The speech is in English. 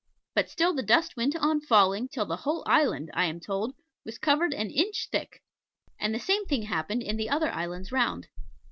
But still the dust went on falling till the whole island, I am told, was covered an inch thick; and the same thing happened in the other islands round.